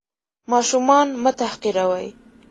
ماشومان مه تحقیروئ.